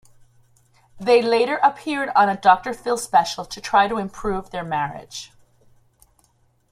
They later appeared on a Doctor Phil special to try to improve their marriage.